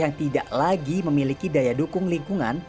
yang tidak lagi memiliki daya dukung lingkungan